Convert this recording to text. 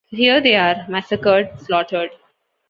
Here they are massacred, slaughtered.